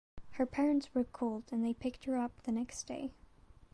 Her parents were called and they picked her up the next day.